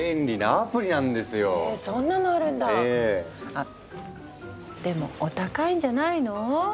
あでもお高いんじゃないの？